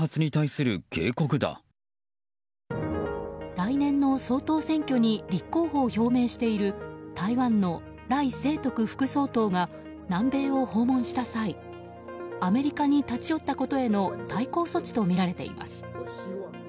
来年の総統選挙に立候補を表明している台湾のライ・セイトク副総統が南米を訪問した際アメリカに立ち寄ったことへの対抗措置とみられています。